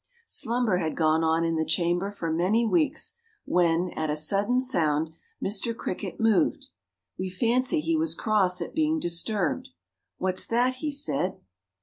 Slumber had gone on in the chamber for many weeks when, at a sudden sound, Mr. Cricket moved. We fancy he was cross at being disturbed. "What's that?" he said.